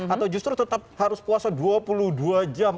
atau justru tetap harus puasa dua puluh dua jam